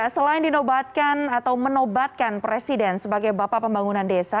selain dinobatkan atau menobatkan presiden sebagai bapak pembangunan desa